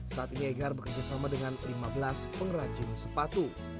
saat ini egar bekerjasama dengan lima belas pengrajin sepatu